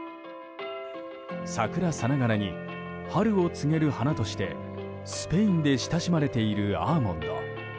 桜さながらに春を告げる花としてスペインで親しまれているアーモンド。